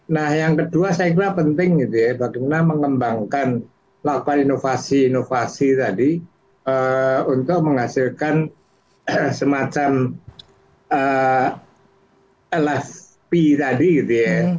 nah yang kedua saya kira penting gitu ya bagaimana mengembangkan melakukan inovasi inovasi tadi untuk menghasilkan semacam lsp tadi gitu ya